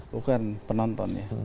bukan penonton ya